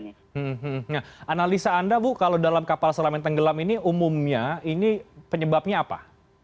nah analisa anda bu kalau dalam kapal selam yang tenggelam ini umumnya ini penyebabnya apa